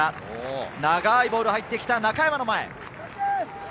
長いボールが入ってきた、中山の前。